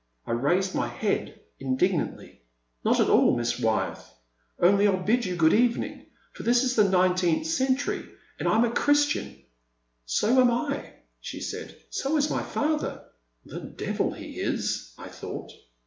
I raised my head indignantly. Not at all, Miss Wyeth, only I *11 bid you good evening, for this is the 19th century, and I 'm a Chris tian." So am I, " she said. *' So is my father. ''The devil he is," I thought.